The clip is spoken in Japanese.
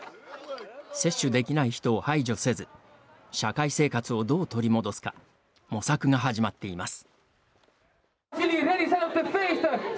接種できない人を排除せず社会生活をどう取り戻すか模索が始まっています。